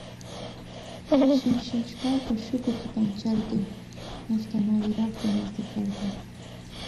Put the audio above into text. شین ششپای په شګو کې پنچر دی، موږ ته ناوې راکئ مازدیګر دی